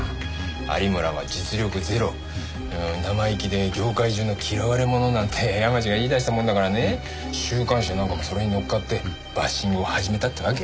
有村は実力ゼロ生意気で業界中の嫌われ者なんて山路が言い出したもんだからね週刊誌やなんかもそれに乗っかってバッシングを始めたってわけ。